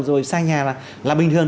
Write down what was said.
rồi xa nhà là bình thường